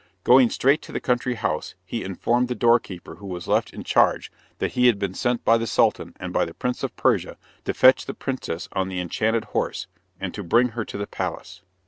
Going straight to the country house, he informed the doorkeeper who was left in charge that he had been sent by the Sultan and by the Prince of Persia to fetch the princess on the enchanted horse, and to bring her to the palace.